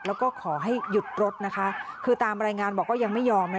แล้วก็ขอให้หยุดรถนะคะคือตามรายงานบอกว่ายังไม่ยอมนะ